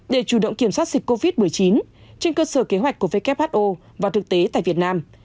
để chủ động kiểm soát dịch covid một mươi chín trên cơ sở kế hoạch của who và thực tế tại việt nam